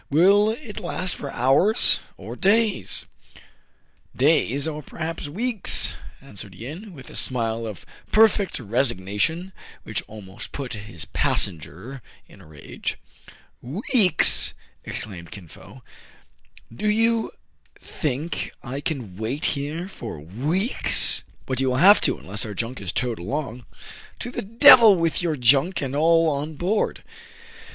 " Will it last for hours, or days }"" Days, or perhaps weeks,'* answered Yin, with a smile of perfect resignation, which almost put his passenger in a rage. '' Weeks !'* exclaimed Kin Fo. " Do you think I can wait here for weeks ?"" But you will have to, unless our junk is towed along.*' " To the devil with your junk and all on board